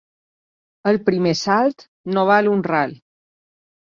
El primer salt, no val un ral.